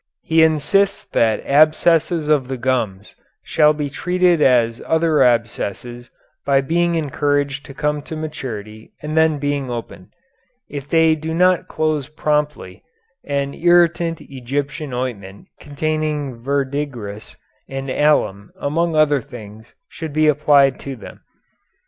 He insists that abscesses of the gums shall be treated as other abscesses by being encouraged to come to maturity and then being opened. If they do not close promptly, an irritant Egyptian ointment containing verdigris and alum among other things should be applied to them.